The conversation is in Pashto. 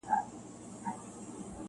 • چي جانان وي قاسم یاره او صهبا وي,